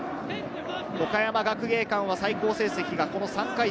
岡山学芸館は最高成績がこの３回戦